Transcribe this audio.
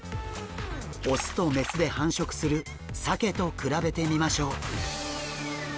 雄と雌で繁殖するサケと比べてみましょう。